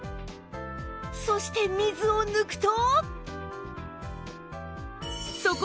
そして水を抜くと